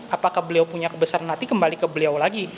apakah beliau punya kebesaran nanti kembali ke beliau lagi